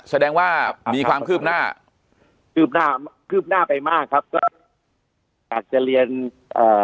แสดงว่ามีความคืบหน้าคืบหน้าคืบหน้าไปมากครับก็อยากจะเรียนเอ่อ